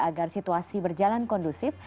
agar situasi berjalan kondusif